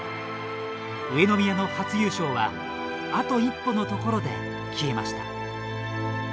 上宮の初優勝はあと一歩のところで消えました。